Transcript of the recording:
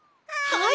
はい！